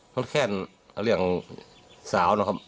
ก็แค่เรียกสาวนะครับ